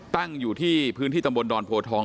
ตั้งอยู่ที่พื้นที่ตำบลดอนโพทอง